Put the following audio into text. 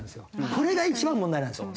これが一番問題なんですよ。